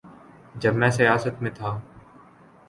جب میں سیاست میں تھا۔